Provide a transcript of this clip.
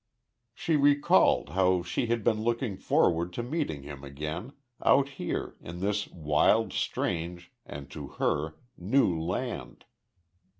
She recalled how she had been looking forward to meeting him again out here, in this wild, strange, and to her, new land.